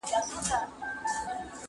ايا امن د هر انسان حق دی؟